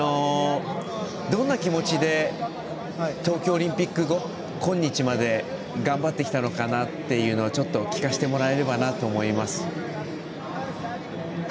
どんな気持ちで東京オリンピック後、今日まで頑張ってきたのかなっていうのを聞かせてもらえればなと思います。